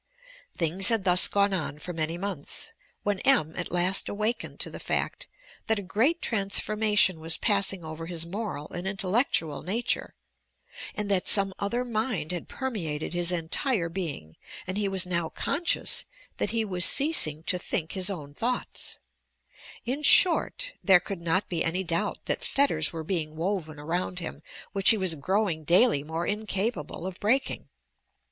,.. Things had thus gone on for many months, when M. at last awakened to the tact that a great transformation was passing over his moral and intellectual nature, and that some other mind had permeated his entire being, and he was now conscious that he was ceasing to think his own thoughts ; in short, there could not be any doubt that fetters were being woven around him, which he was growing daily more incapable of breaking.